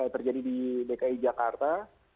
terjadi di dki jakarta